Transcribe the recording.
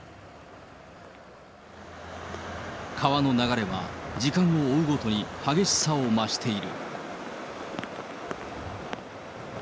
川の流れは時間を追うごとに激しさを増している。